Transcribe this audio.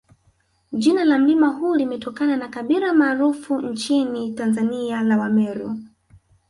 Jina la mlima huu limetokana na kabila maarufu nchini Tanzania la Wameru